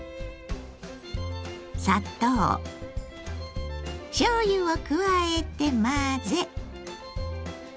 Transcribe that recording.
砂糖しょうゆを加えて混ぜ。